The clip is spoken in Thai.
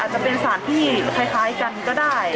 จะเป็นสารที่คล้ายกันก็ได้